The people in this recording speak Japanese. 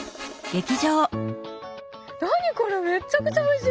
何これめっちゃくちゃおいしい！